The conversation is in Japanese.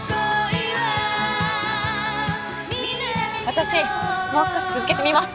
私もう少し続けてみます。